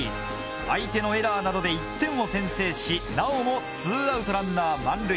相手のエラーなどで１点を先制しなおも２アウトランナー満塁。